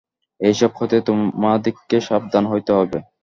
এইসব হইতে তোমাদিগকে সাবধান হইতে হইবে।